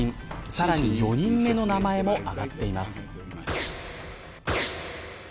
さらに４人目の名前も挙がっています。